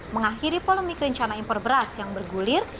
mengakhiri polomi kerencana impor beras yang bergulir